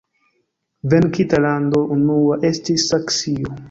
Venkinta lando unua estis Saksio.